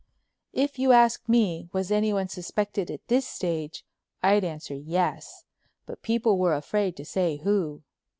If you ask me was anyone suspected at this stage I'd answer "yes," but people were afraid to say who.